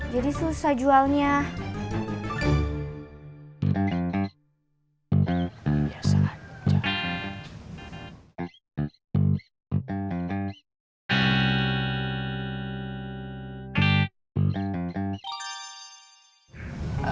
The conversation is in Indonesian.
jadi susah jualnya